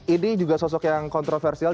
ini juga sosok yang kontroversial